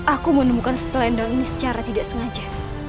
aku menemukan selendang ini secara tidak sengaja